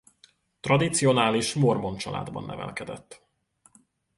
Tradicionális mormon családban nevelkedett.